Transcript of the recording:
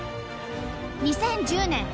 ２０１０年